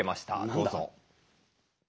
どうぞ。